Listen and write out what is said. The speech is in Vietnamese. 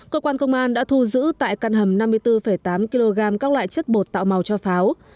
cơ quan công an đã thu giữ tại căn hầm năm mươi bốn tám kg các loại chất bột tạo màu cho pháo